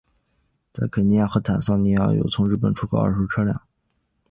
在肯尼亚和坦桑尼亚有从日本出口的二手车辆。